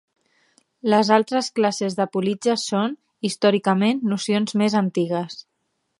Les altres classes de politges són, històricament, nocions més antigues.